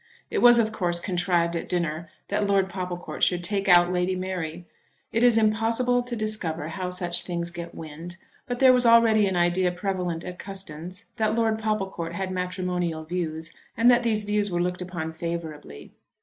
It was of course contrived at dinner that Lord Popplecourt should take out Lady Mary. It is impossible to discover how such things get wind, but there was already an idea prevalent at Custins that Lord Popplecourt had matrimonial views, and that these views were looked upon favourably.